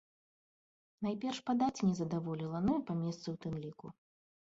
Найперш па даце не задаволіла, ну і па месцы ў тым ліку.